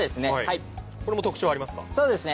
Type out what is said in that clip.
これも特徴ありますか。